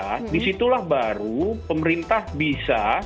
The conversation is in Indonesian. nah disitulah baru pemerintah bisa